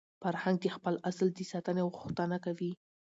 فرهنګ د خپل اصل د ساتني غوښتنه کوي.